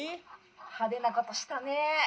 「派手なことしたねえ」。